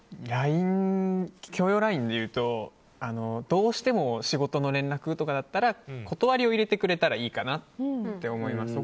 許容ラインで言うとどうしても仕事の連絡とかだと断りを入れてくれたらいいかなって思います。